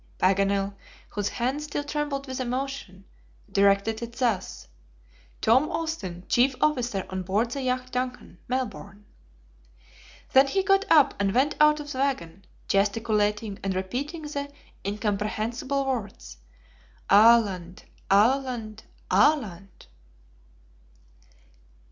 Paganel, whose hand still trembled with emotion, directed it thus: "Tom Austin, Chief Officer on board the Yacht DUNCAN, Melbourne." Then he got up and went out of the wagon, gesticulating and repeating the incomprehensible words: "Aland aland! aland!"